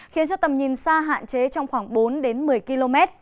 khiến cho tầm nhìn xa hạn chế trong khoảng bốn một mươi km